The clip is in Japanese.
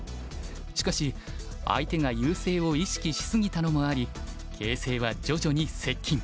しかし相手が優勢を意識し過ぎたのもあり形勢は徐々に接近。